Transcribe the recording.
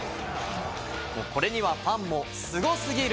これにはファンも凄すぎる！